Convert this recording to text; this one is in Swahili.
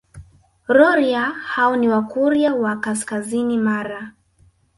Rorya hao ni Wakurya wa kaskazini Mara